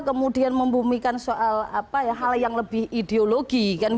kemudian membumikan soal hal yang lebih ideologi